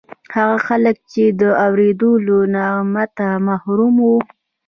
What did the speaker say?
هغه خلک چې د اورېدو له نعمته محروم وو